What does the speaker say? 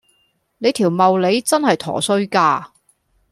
你條茂利真係陀衰家